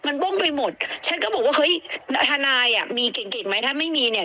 มันบ้งไปหมดฉันก็บอกว่าเฮ้ยทนายอ่ะมีเก่งเก่งไหมถ้าไม่มีเนี่ย